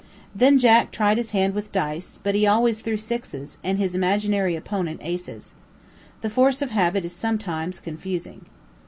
Then Jack tried his hand with dice; but he always threw sixes, and his imaginary opponent aces. The force of habit is sometimes confusing.